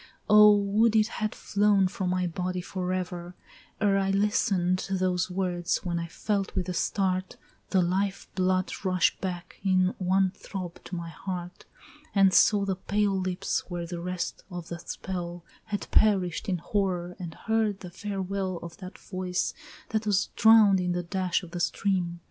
Oh, would it had flown from my body forever, Ere I listen'd those words, when I felt with a start, The life blood rush back in one throb to my heart, And saw the pale lips where the rest of that spell Had perished in horror and heard the farewell Of that voice that was drown'd in the dash of the stream!